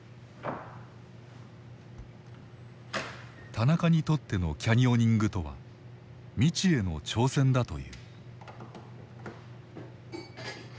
田中にとってのキャニオニングとは未知への挑戦だという。